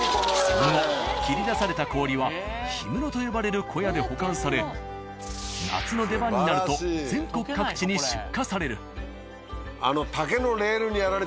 その後切り出された氷は氷室と呼ばれる小屋で保管され夏の出番になると全国各地に出荷される。